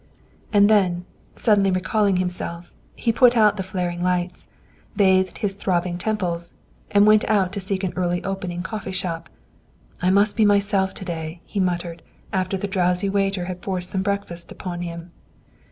And then, suddenly recalling himself, he put out the flaring lights, bathed his throbbing temples, and went out to seek an early opening coffee shop. "I must be myself to day," he muttered, after the drowsy waiter had forced some breakfast upon him.